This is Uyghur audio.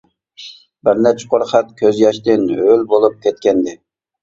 بىر نەچچە قۇر خەت كۆز ياشتىن ھۆل بولۇپ كەتكەنىدى.